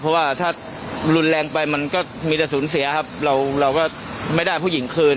เพราะว่าถ้ารุนแรงไปมันก็มีแต่สูญเสียครับเราเราก็ไม่ได้ผู้หญิงคืน